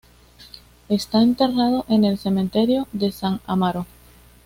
Está enterrado en el cementerio de San Amaro.